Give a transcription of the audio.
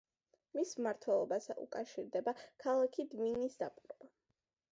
მის მმართველობას უკავშირდება ქალაქი დვინის დაპყრობა.